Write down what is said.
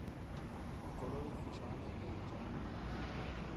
Il colore ufficiale è il giallo.